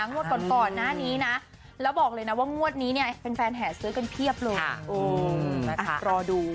งวดก่อนหน้านี้นะแล้วบอกเลยนะว่างวดนี้เนี่ยแฟนแห่ซื้อกันเพียบเลยรอดู